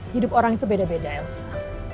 hidup orang itu beda beda elsa